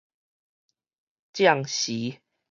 將時